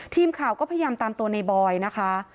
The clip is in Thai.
ทีมข่าวก็พยายามตามตัวในบอยนะคะ